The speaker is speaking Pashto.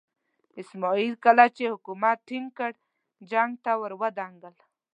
اسماعیل کله چې حکومت ټینګ کړ جنګ ته ور ودانګل.